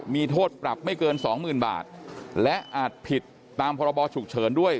มีโทษปรับไม่เกินสองหมื่นบาทและอาจผิดตามพรบฉุกเฉินด้วย